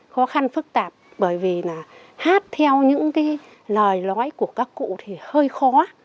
khó khăn phức tạp bởi vì là hát theo những cái lời nói của các cụ thì hơi khó